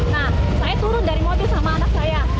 nah saya turun dari mobil sama anak saya